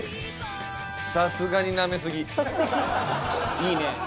いいね。